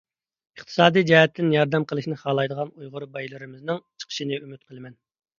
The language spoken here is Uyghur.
ئىقتىسادىي جەھەتتىن ياردەم قىلىشنى خالايدىغان ئۇيغۇر بايلىرىمىزنىڭ چىقىشىنى ئۈمىد قىلىمەن.